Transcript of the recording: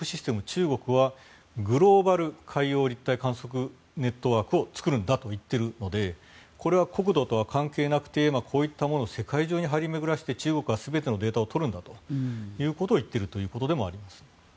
中国はグローバル海洋立体観測ネットワークを作るんだと言っているのでこれは国土とは関係なくてこういったものを世界中に張り巡らせて中国が全てのデータを取るんだということを言っているということでもあります。